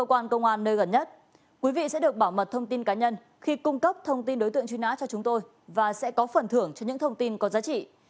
quý vị sẽ được bảo mật thông tin cá nhân khi cung cấp thông tin đối tượng truy nã cho chúng tôi và sẽ có phần thưởng cho những thông tin có giá trị